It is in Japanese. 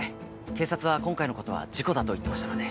警察は今回のことは事故だと言ってましたので。